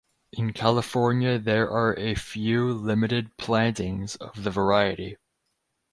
In California there are a few limited plantings of the variety.